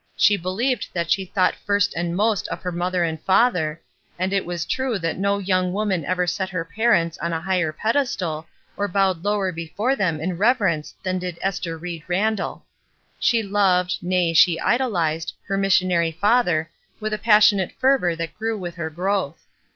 She believed that she thought first and most of her mother and father, and it was true that no young woman ever set her parents on a higher pedestal or bowed lower before them in reverence than did Esther Ried Randall. She loved, nay, she idolized, her mis sionary father with a passionate fervor that grew with her growth.